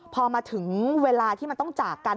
พอมาถึงเวลาที่มันต้องจากกัน